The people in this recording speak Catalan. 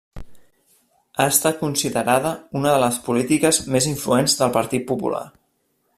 Ha estat considerada una de les polítiques més influents del Partit Popular.